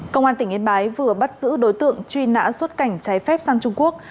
công an tỉnh yên bái vừa bắt giữ đối tượng truy nã xuất cảnh trái phép sang trung quốc